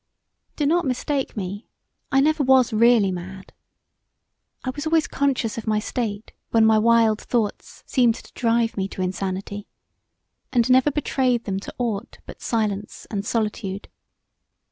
Do not mistake me; I never was really mad. I was always conscious of my state when my wild thoughts seemed to drive me to insanity, and never betrayed them to aught but silence and solitude.